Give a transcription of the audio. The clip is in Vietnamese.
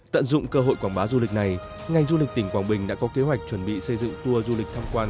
tận dụng cơ hội quảng bá du lịch này ngành du lịch tỉnh quảng bình đã có kế hoạch chuẩn bị xây dựng tour du lịch tham quan